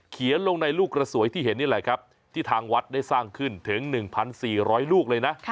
ลงในลูกกระสวยที่เห็นนี่แหละครับที่ทางวัดได้สร้างขึ้นถึง๑๔๐๐ลูกเลยนะ